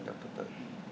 vấn đề môi trường